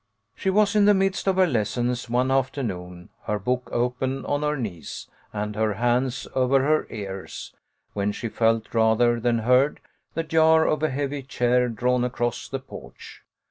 She was in the midst of her lessons one afternoon, her book open on her knees, and her hands over her ears, when she felt, rather than heard, the jar of a heavy chair drawn across the porch.